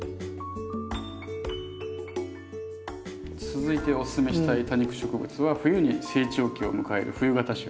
続いておススメしたい多肉植物は冬に成長期を迎える冬型種。